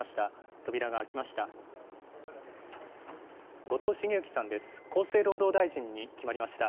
扉が開きました。